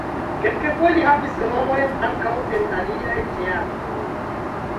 Kelkfoje li havis rolojn ankaŭ en aliaj teatroj.